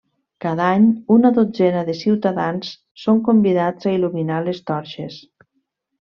Cada any, una dotzena de ciutadans, són convidats a il·luminar les torxes.